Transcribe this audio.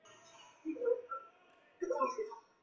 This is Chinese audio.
粮仓明器是其中一种汉代流行的明器。